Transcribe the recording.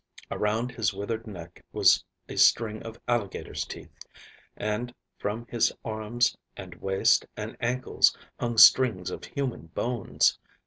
Around his withered neck was a string of alligators' teeth, and from his arms and waist and ankles hung strings of human bones.